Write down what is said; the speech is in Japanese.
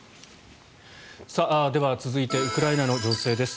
では、続いてウクライナの情勢です。